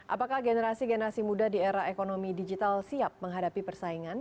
apakah generasi generasi muda di era ekonomi digital siap menghadapi persaingan